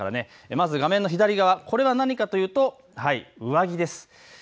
まず画面の左側、これは何かというと上着です。